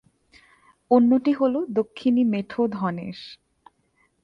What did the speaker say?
অন্যটি হল দক্ষিণী মেঠো ধনেশ।